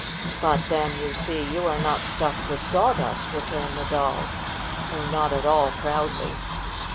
"But then, you see, you are not stuffed with sawdust," returned the Doll, though not at all proudly.